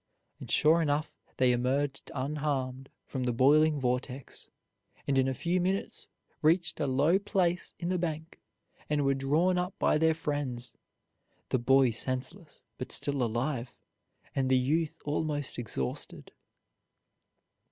And sure enough, they emerged unharmed from the boiling vortex, and in a few minutes reached a low place in the bank and were drawn up by their friends, the boy senseless, but still alive, and the youth almost exhausted.